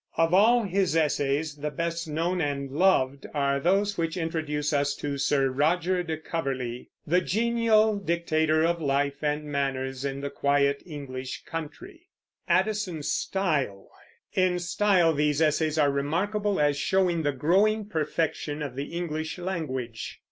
Of all his essays the best known and loved are those which introduce us to Sir Roger de Coverley, the genial dictator of life and manners in the quiet English country. In style these essays are remarkable as showing the growing perfection of the English language.